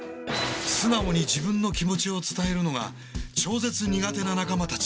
素直に自分の気持ちを伝えるのが超絶苦手な仲間たち。